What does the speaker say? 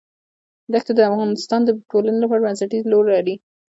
دښتې د افغانستان د ټولنې لپاره بنسټيز رول لري.